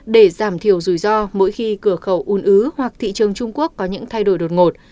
để giảm thiểu rủi ro mỗi khi cửa khẩu un ứ hoặc thị trường trung quốc có những thay đổi đột ngột